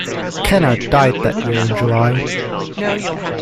Kennard died that year in July.